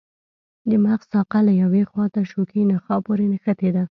د مغز ساقه له یوې خواته شوکي نخاع پورې نښتې ده.